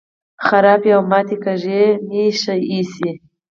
خرابې او ماتې کاږي مې ښې ایسي.